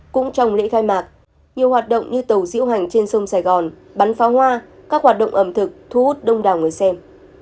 cũng trong lễ khai mạc nhiều hoạt động như tàu diễu hành trên sông sài gòn bắn pháo hoa các hoạt động ẩm thực thu hút đông đảo người xem